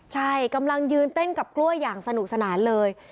ใช่กำลังยืนเต้นกับกล้วยอย่างสนุกสนานเลย